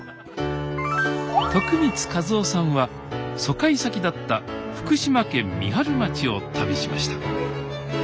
徳光和夫さんは疎開先だった福島県三春町を旅しました。